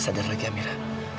sadar lagi amira